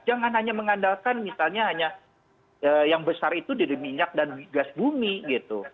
jangan hanya mengandalkan misalnya hanya yang besar itu dari minyak dan gas bumi gitu